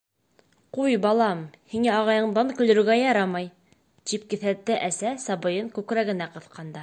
— Ҡуй, балам, һиңә ағайыңдан көлөргә ярамай, — тип киҫәтте әсә сабыйын күкрәгенә ҡыҫҡанда.